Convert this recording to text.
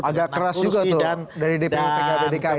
agak keras juga tuh dari dpi pkb dki itu pak